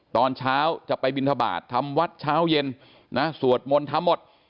ตอนเช้าจะไปบินทบาททำวัดเช้าเย็นนะสวดมนต์ทำหมด